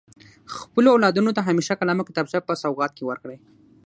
خپلو اولادونو ته همیشه قلم او کتابچه په سوغات کي ورکړئ.